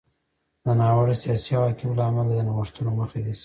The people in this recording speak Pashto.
د ناوړه سیاسي عواقبو له امله د نوښتونو مخه نیسي.